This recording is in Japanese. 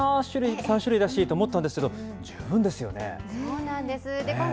３種類だしと思ったんですけど、十分ですよね。